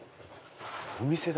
お店だ！